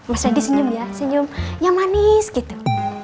mas adi senyum ya senyum yang manis gitu